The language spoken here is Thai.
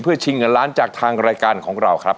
ชิงเงินล้านจากทางรายการของเราครับ